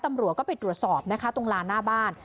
ตำรวจก็ไปตรวจสอบนะคะตรงลานหน้าบ้าน